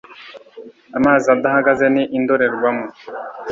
Amazi adahagaze ni indorerwamo